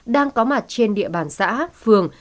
đang có mặt trên địa bàn xã phường